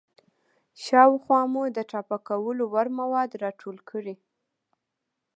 شاوخوا مو د ټاپه کولو وړ مواد راټول کړئ.